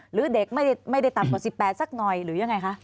หรือเด็กไม่ได้ต่ำกว่า๑๘สักหน่อยหรือยังไงคะ